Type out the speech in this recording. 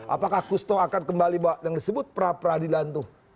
apakah kusto akan kembali yang disebut pra peradilan tuh